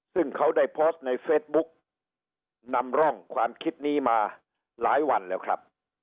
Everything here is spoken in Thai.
ซึ่งเขาได้โพสต์ในเฟซบุ๊กนำร่องความคิดนี้มาหลายวันแล้วครับ